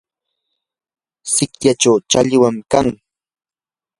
sikyachaw challwam kan.